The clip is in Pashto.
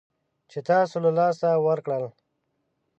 چې تاسو له لاسه ورکړل